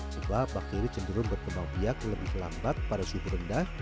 sebab bakteri cenderung berkembang biak lebih lambat pada suhu rendah